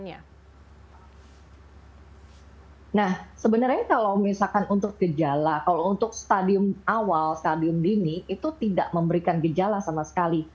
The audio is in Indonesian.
nah sebenarnya kalau misalkan untuk gejala kalau untuk stadium awal stadium dini itu tidak memberikan gejala sama sekali